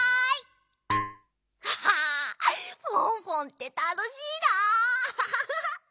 あフォンフォンってたのしいな。